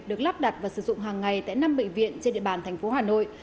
được lắp đặt và sử dụng hàng ngày tại năm bệnh viện trên địa bàn tp hà nội